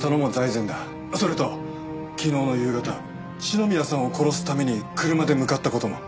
それと昨日の夕方篠宮さんを殺すために車で向かった事も。